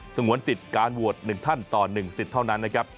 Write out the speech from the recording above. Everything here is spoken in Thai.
งวนสิทธิ์การโหวต๑ท่านต่อ๑สิทธิ์เท่านั้นนะครับ